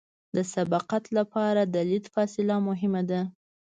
د سبقت لپاره د لید فاصله مهمه ده